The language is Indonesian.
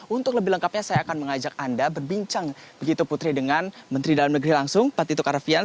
untuk lebih lengkapnya saya akan mengajak anda berbincang begitu putri dengan menteri dalam negeri langsung pak tito karnavian